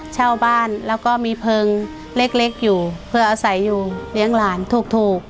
เช่าบ้านแล้วก็มีเพลิงเล็กอยู่เพื่ออาศัยอยู่เลี้ยงหลานถูก